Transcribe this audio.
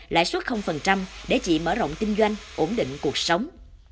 lãi suất để chị mở rộng kinh doanh ổn định cuộc sống